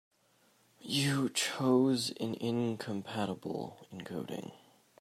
You chose an incompatible encoding.